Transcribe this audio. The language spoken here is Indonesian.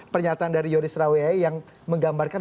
pernyataan dari yoris rawe yang menggambarkan